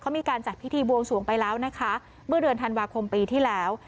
เขามีการจัดพิธีบวงสวงไปแล้วนะคะเมื่อเดือนธันวาคมปีที่แล้ว